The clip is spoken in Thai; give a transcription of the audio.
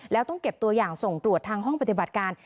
แล้วต้องเก็บตัวอย่างส่งตรวจทางห้องปฏิบัติการ